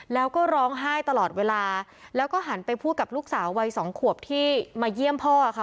แล้วก็ร้องไห้ตลอดเวลาแล้วก็หันไปพูดกับลูกสาววัยสองขวบที่มาเยี่ยมพ่อค่ะ